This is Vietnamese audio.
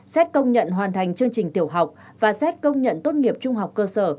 xét công nhận hoàn thành chương trình tiểu học và xét công nhận tốt nghiệp trung học cơ sở